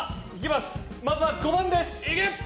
まずは５番です。